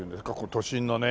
都心のね